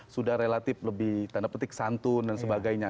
sudah relatif lebih tanda petik santun dan sebagainya